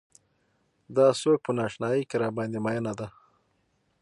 دا څوک په نا اشنايۍ کې راباندې مينه ده.